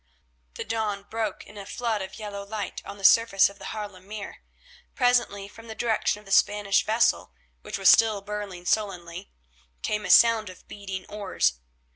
The dawn broke in a flood of yellow light on the surface of the Haarlem Mere. Presently from the direction of the Spanish vessel, which was still burning sullenly, came a sound of beating oars.